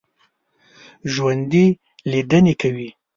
ژوندي لیدنې کوي